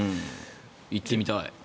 行ってみたい。